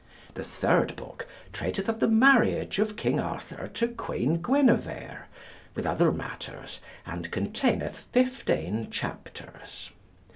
The third book treateth of the marriage of King Arthur to Queen Guinevere, with other matters, and containeth 15 chapters.